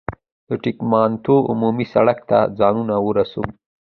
د ټګلیامنتو عمومي سړک ته ځانونه ورسوو.